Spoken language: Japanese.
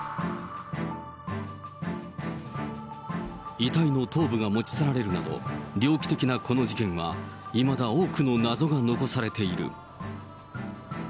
遺体の頭部が持ち去られるなど、猟奇的なこの事件は、いまだ多くの謎が残されている。